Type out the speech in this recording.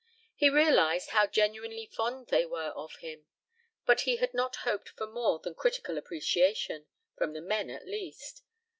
He realized how genuinely fond they were of him, but he had not hoped for more than critical appreciation, from the men, at least.